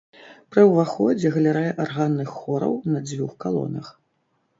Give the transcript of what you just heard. Пры ўваходзе галерэя арганных хораў на дзвюх калонах.